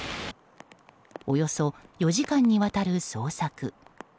およそ４時間にわたる捜索。